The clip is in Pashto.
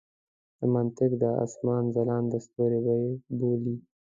د منطق د اسمان ځلانده ستوري به یې بولي.